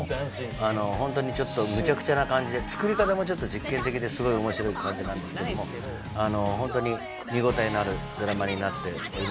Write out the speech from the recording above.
ホントにちょっとむちゃくちゃな感じで作り方もちょっと実験的ですごい面白い感じなんですけどもホントに見応えのあるドラマになっております。